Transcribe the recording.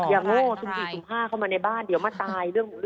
อย่างโง่ชุมขี่ชุมห้าเข้ามาในบ้านเดี๋ยวมันตาย